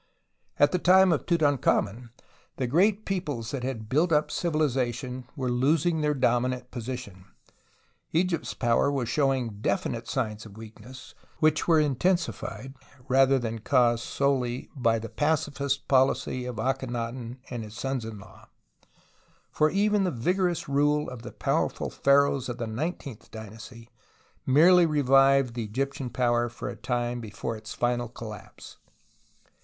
At the time of Tutankhamen the great peoples that had built up civilization were losing their dominant position. Egypt's power was showing definite signs of weakness, which were intensified rather than caused solely by the pacifist policy of Akhenaton and his sons in law. For even the vigorous rule of the powerful pliaraohs of the nineteenth dynasty merely revived Egyptian power for a time before its final collapse.